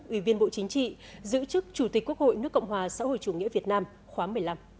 ủy viên bộ chính trị giữ chức chủ tịch quốc hội nước cộng hòa xã hội chủ nghĩa việt nam khóa một mươi năm